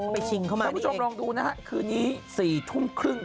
ไปชิงเข้ามานี่เองคุณผู้ชมลองดูนะครับคืนนี้๔ทุ่มครึ่ง